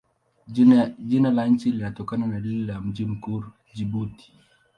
Jina la nchi linatokana na lile la mji mkuu, Jibuti.